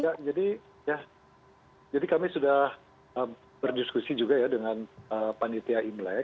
ya jadi ya jadi kami sudah berdiskusi juga ya dengan panitia imlek